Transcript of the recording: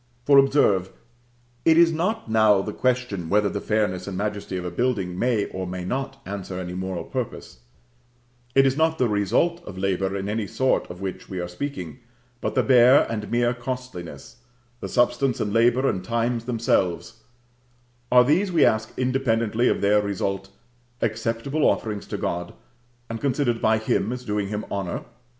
For, observe, it is not now the question whether the fairness and majesty of a building may or may not answer any moral purpose; it is not the result of labor in any sort of which we are speaking, but the bare and mere costliness the substance and labor and time themselves: are these, we ask, independently of their result, acceptable offerings to God, and considered by Him as doing Him honor?